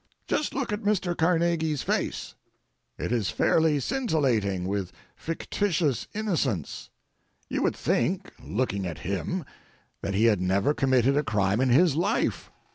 Just look at Mr. Carnegie's face. It is fairly scintillating with fictitious innocence. You would think, looking at him, that he had never committed a crime in his life.